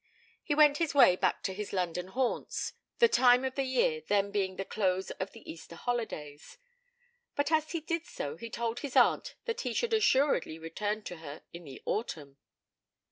He went his way back to his London haunts, the time of the year then being the close of the Easter holy days; but as he did so he told his aunt that he should assuredly return to her in the autumn.